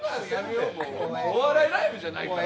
お笑いライブやないんやから。